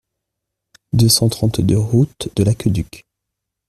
deux cent trente-deux route de l'Acqueduc